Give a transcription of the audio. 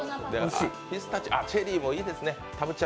チェリーもいいですね。